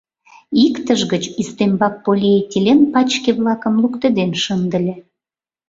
Иктыж гыч ӱстембак полиэтилен пачке-влакым луктеден шындыле.